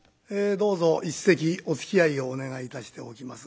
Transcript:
どうぞ一席おつきあいをお願いいたしておきますが。